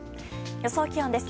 予想気温です。